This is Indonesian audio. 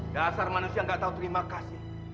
dasar manusia gak tahu terima kasih